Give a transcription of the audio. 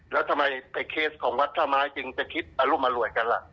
แล้วทำไมไอ้เคสของวัดท่าไม้จึงจะคิดอรุมอร่วยกันล่ะ